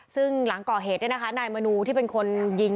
ซึ่งหลังก่อเหตุนายมนูที่เป็นคนยิง